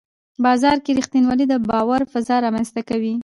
بازار کې رښتینولي د باور فضا رامنځته کوي